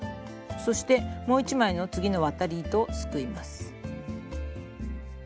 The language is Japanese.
そしてもう一枚の次の渡り糸をすくいます。